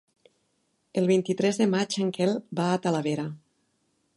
El vint-i-tres de maig en Quel va a Talavera.